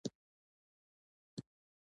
د غاښونو د پاکوالي لپاره باید څه شی وکاروم؟